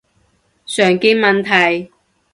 常見問題